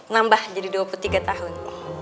nambah jadi dua puluh tiga tahun